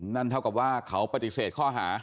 นั่นเท่ากับว่าเขาปฏิเสธข้อหา